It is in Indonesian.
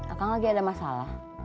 akang lagi ada masalah